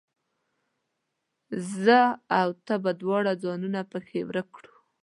زه او ته به دواړه ځانونه پکښې ورک کړو